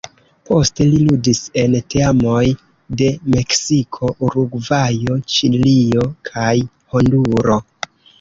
Poste li ludis en teamoj de Meksiko, Urugvajo, Ĉilio kaj Honduro.